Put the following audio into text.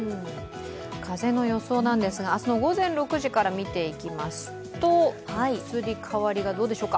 風の予想なんですが明日の午前６時から見ていきますと移り変わりはどうでしょうか。